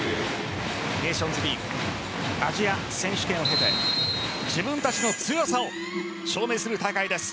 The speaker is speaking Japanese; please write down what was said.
ネーションズリーグアジア選手権を経て自分たちの強さを証明する大会です。